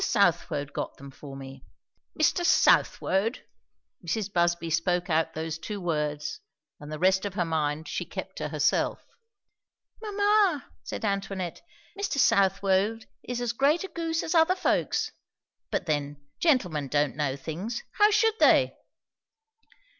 Southwode got them for me." "Mr. Southwode!" Mrs. Busby spoke out those two words, and the rest of her mind she kept to herself. "Mamma," said Antoinette, "Mr. Southwode is as great a goose as other folks. But then, gentlemen don't know things how should they?"